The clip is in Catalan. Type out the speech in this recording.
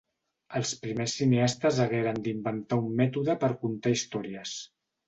Els primers cineastes hagueren d'inventar un mètode per contar històries.